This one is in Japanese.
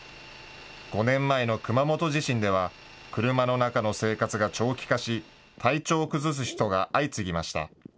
５年前の熊本地震では車の中の生活が長期化し、体調を崩す人が相次ぎました。